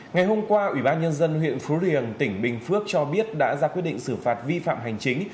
ngày hôm qua ủy ban nhân dân huyện phú riềng tỉnh bình phước cho biết đã ra quyết định xử phạt vi phạm hành chính